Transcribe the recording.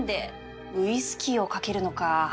ウイスキーを掛けるのか